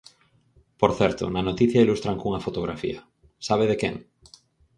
Por certo, na noticia ilustran cunha fotografía, ¿sabe de quen?